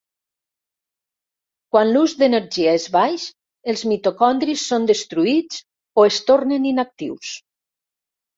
Quan l'ús d'energia és baix, els mitocondris són destruïts o es tornen inactius.